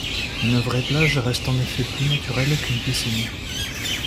Une vraie plage reste en effet plus naturelle qu'une piscine.